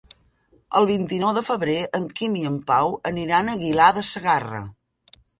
El vint-i-nou de febrer en Quim i en Pau aniran a Aguilar de Segarra.